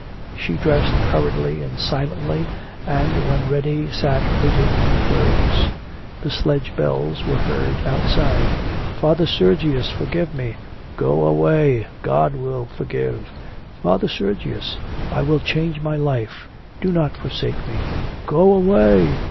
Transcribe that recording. She dressed hurriedly and silently, and when ready sat waiting in her furs. The sledge bells were heard outside. 'Father Sergius, forgive me!' 'Go away. God will forgive.' 'Father Sergius! I will change my life. Do not forsake me!' 'Go away.